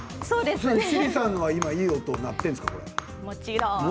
シリさんのは今いい音が鳴っているんですか？